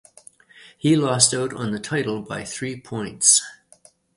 He lost out on the title by three points.